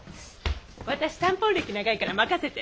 私タンポン歴長いから任せて！